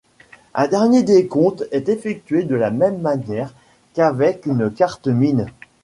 Un dernier décompte est effectué de la même manière qu'avec une carte mine.